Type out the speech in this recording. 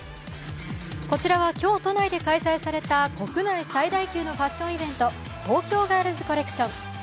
こちらは今日、都内で開催された国内最大級のファッションイベント、東京ガールズコレクション。